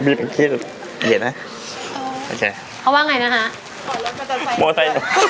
มีเป็นคิดเห็นไหมเออโอเคเขาว่าไงนะฮะ